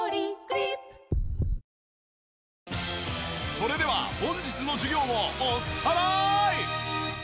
それでは本日の授業をおさらい！